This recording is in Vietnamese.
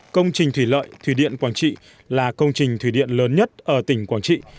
công trình thủy lợi thủy điện quảng trị là công trình thủy điện lớn nhất ở tỉnh quảng trị